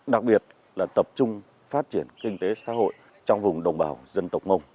đặc biệt là tập trung phát triển kinh tế xã hội trong vùng đồng bào dân tộc mông